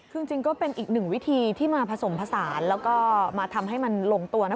คือจริงก็เป็นอีกหนึ่งวิธีที่มาผสมผสานแล้วก็มาทำให้มันลงตัวนะ